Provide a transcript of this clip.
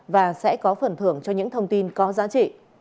và sẽ có phần thưởng cho những thông tin có giá trị